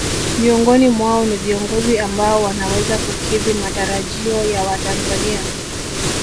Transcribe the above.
Miongoni mwao ni viongozi ambao wanaweza kukidhi matarajio ya watanzania